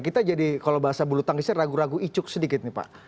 kita jadi kalau bahasa bulu tangisnya ragu ragu icuk sedikit nih pak